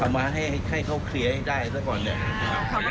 มาให้เขาเคลียร์ให้ได้ซะก่อนเนี่ย